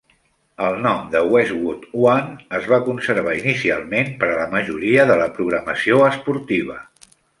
El nom de Westwood One es va conservar inicialment per a la majoria de la programació esportiva.